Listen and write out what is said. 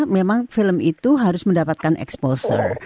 memang film itu harus mendapatkan exposure